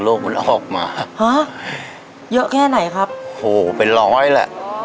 มันออกมาฮะเยอะแค่ไหนครับโหเป็นร้อยแหละ